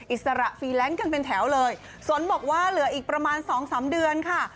อิสระฟรีแลนซ์กันเป็นแถวเลยสนบอกว่าเหลืออีกประมาณสองสามเดือนค่ะ